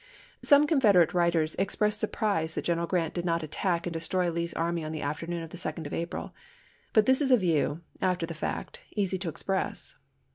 Some Confederate writers express surprise that General Grant did not attack and destroy Lee's army on the afternoon of the 2d of April ; but this is a view, after the fact, easy to express.